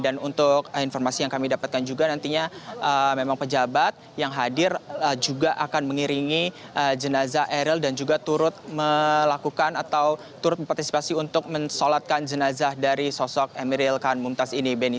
dan untuk informasi yang kami dapatkan juga nantinya memang pejabat yang hadir juga akan mengiringi jenazah emeril dan juga turut melakukan atau turut mempartisipasi untuk mensolatkan jenazah dari sosok emeril khan mumtaz ini beni